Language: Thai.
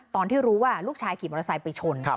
ตอนที่รู้ว่าลูกชายขี่มอเตอร์ไซค์ไปชน